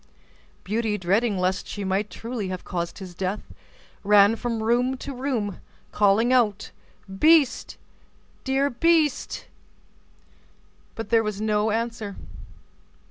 Beauty, dreading lest she might truly have caused his death, ran from room to room, calling out: "Beast, dear beast;" but there was no answer.